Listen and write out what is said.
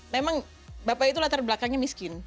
memang bapak itu latar belakangnya miskin